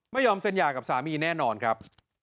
ไม่ยอมเซ็นหย่ากับสามีแน่นอนครับ